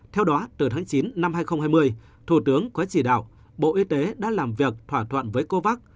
theo đó từ tháng chín năm hai nghìn hai mươi thủ tướng có chỉ đạo bộ y tế đã làm việc thỏa thuận với covax